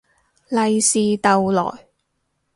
利是逗來